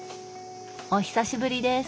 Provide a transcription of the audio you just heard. お久しぶりです！